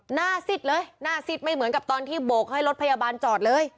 ซิดเลยหน้าซิดไม่เหมือนกับตอนที่โบกให้รถพยาบาลจอดเลย